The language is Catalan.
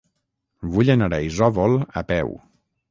Vull anar a Isòvol a peu.